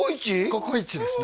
ココイチですね